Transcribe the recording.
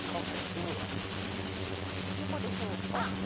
どこでしょう？あっ。